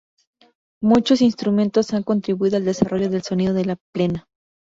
Muchos instrumentos han contribuido al desarrollo del sonido de la plena.